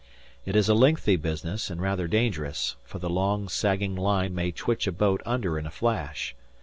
It is a lengthy business and rather dangerous, for the long, sagging line may twitch a boat under in a flash.